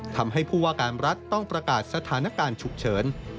ทำให้ผู้ว่าการรัฐต้องประกาศสถานการณ์ฉุกเฉิน